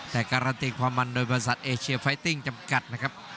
แต่กราติความมันโดยภาษาเอเชียร์ไฟติ้งจำกัดนะครับ